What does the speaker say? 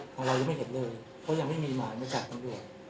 แต่เรายังไม่เห็นเลยเพราะยังไม่มีหมายมาจากตำรวจ